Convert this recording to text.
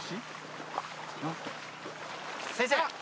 先生